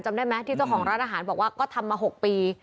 ได้ไหมที่เจ้าของร้านอาหารบอกว่าก็ทำมา๖ปี